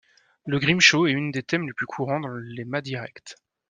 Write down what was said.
Le Grimshaw est une des thèmes les plus courants dans les mats directs.